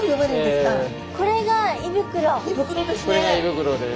これが胃袋です。